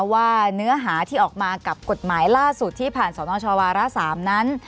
ว่าเนื้อหาที่ออกมากับกฎหมายล่าสุดที่ผ่านสนชวาระ๓นั้น